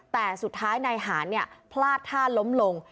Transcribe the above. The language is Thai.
แต่สุดท้ายนายหานพลาดท่าล้มลง